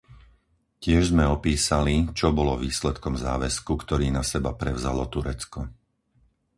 Tiež sme opísali, čo bolo výsledkom záväzku, ktorý na seba prevzalo Turecko.